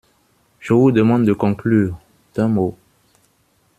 Je vous demande de conclure, d’un mot.